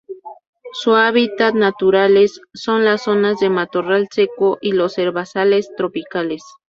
Su hábitats naturales son las zonas de matorral seco y los herbazales tropicales.